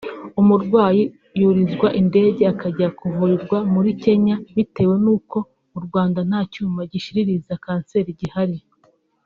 umurwayi yurizwa indege akajya kuvurirwa muri Kenya bitewe n’ uko mu Rwanda nta cyuma gishiririza kanseri gihari